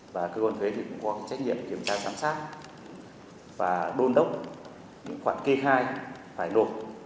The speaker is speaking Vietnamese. và cơ quan thuế thì cũng có trách nhiệm kiểm tra giám sát và đôn đốc những khoản kê khai phải nộp